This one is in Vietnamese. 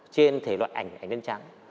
trên thể loại ảnh ảnh đen trắng